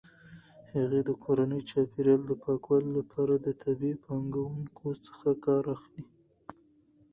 هغې د کورني چاپیریال د پاکوالي لپاره د طبیعي پاکونکو څخه کار اخلي.